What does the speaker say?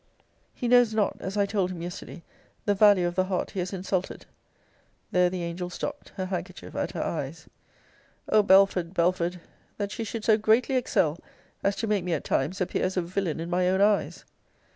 He knows not, as I told him yesterday, the value of the heart he has insulted! There the angel stopt; her handkerchief at her eyes. O Belford, Belford! that she should so greatly excel, as to make me, at times, appear as a villain in my own eyes!